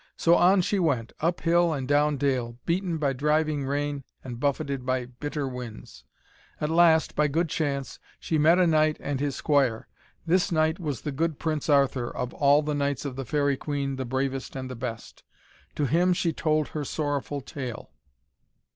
So on she went, up hill and down dale, beaten by driving rain and buffeted by bitter winds. At last, by good chance, she met a knight and his squire. This knight was the good Prince Arthur, of all the knights of the Faerie Queen the bravest and the best. To him she told her sorrowful tale.